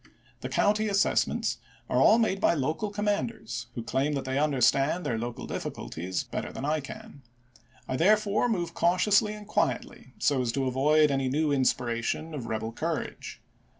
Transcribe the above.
The county ch. xviii. assessments are all made by local commanders, who claim that they understand their local difficulties better than I can. I therefore move cautiously and quietly, so as to avoid any new inspiration of rebel courage.